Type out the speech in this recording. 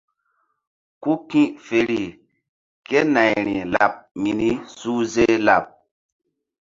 Ku ki̧feri kénayri laɓ mini suhze laɓ.